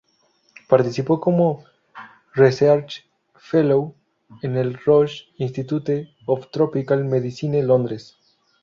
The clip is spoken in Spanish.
Participó como research fellow en el Ross Institute of Tropical Medicine, Londres.